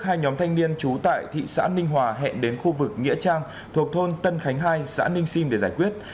hai nhóm thanh niên trú tại thị xã ninh hòa hẹn đến khu vực nghĩa trang thuộc thôn tân khánh hai xã ninh sim để giải quyết